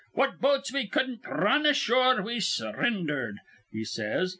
What boats we cudden't r run ashore we surrindered,' he says.